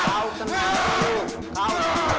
kamu tenang kamu